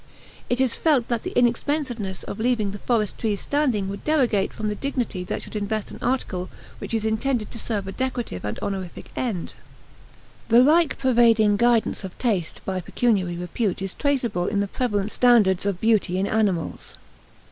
It is felt that the inexpensiveness of leaving the forest trees standing would derogate from the dignity that should invest an article which is intended to serve a decorative and honorific end. The like pervading guidance of taste by pecuniary repute is traceable in the prevalent standards of beauty in animals.